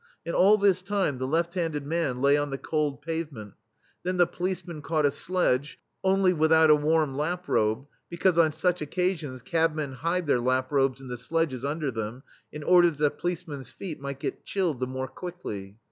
And all this time the left handed man lay on the cold pavement; then the policeman caught a sledge, only without a warm laprobe, because on such occasions cab men hide their laprobes in the sledges under them, in order that the police man's feet may get chilled the more quickly.